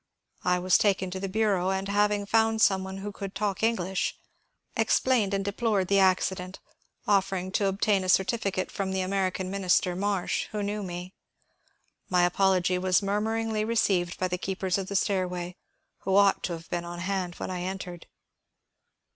I was taken to the bureau, and having found some one who could talk English explained and deplored the accident, offering to obtain a certificate from the American Minister, Marsh, who knew me. My apology was murmuringly received by the keepers of the stairway, who ought to have been on hand when I entered.